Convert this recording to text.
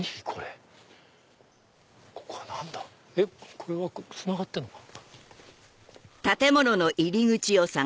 これはつながってるのかな？